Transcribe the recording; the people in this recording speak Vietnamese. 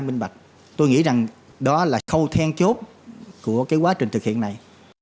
minh bạch tôi nghĩ rằng đó là khâu then chốt của quá trình thực hiện này